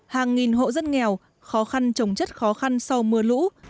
hàng nghìn hộ dân nghèo khó khăn trồng chất khó khăn sau mưa lũ